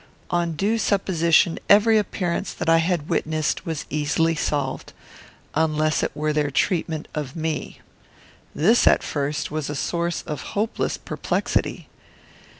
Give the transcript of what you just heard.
On due supposition every appearance that I had witnessed was easily solved, unless it were their treatment of me. This, at first, was a source of hopeless perplexity.